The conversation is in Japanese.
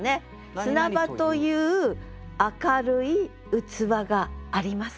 砂場という明るい器がありますねって。